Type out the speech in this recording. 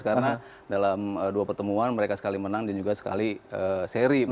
karena dalam dua pertemuan mereka sekali menang dan juga sekali seri